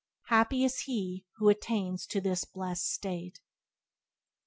Happy is he who attains to this blessed state.